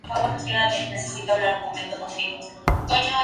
Cerca se encuentra la Villa Alpina Falls Creek.